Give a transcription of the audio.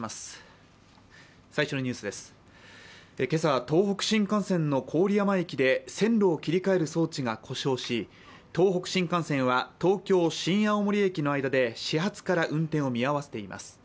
今朝、東北新幹線の郡山駅で線路を切り替える装置が故障し東北新幹線は東京−新青森駅の間で始発から運転を見合わせています。